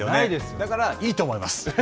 だから、いいと思います。